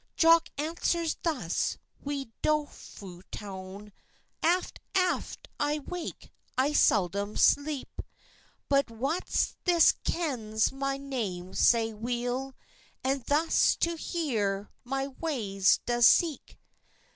Jock answers thus, wi dolefu tone: "Aft, aft I wake, I seldom sleip; But wha's this kens my name sae weel, And thus to hear my waes does seek?"